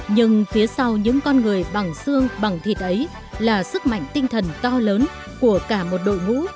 nhưng phía sau những con người bằng xương bằng thịt ấy là sức mạnh tinh thần to lớn của cả một đội ngũ